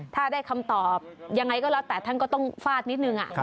ถ้าได้คำตอบยังไงก็แล้วแต่ท่านก็ต้องฟาดนิดนึง